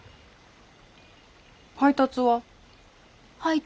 配達は？